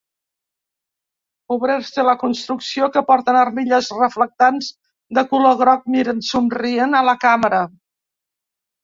Obrers de la construcció que porten armilles reflectants de color groc miren somrient a la càmera.